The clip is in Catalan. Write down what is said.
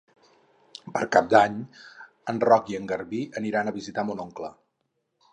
Per Cap d'Any en Roc i en Garbí aniran a visitar mon oncle.